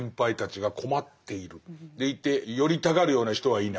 でいて寄りたがるような人はいない。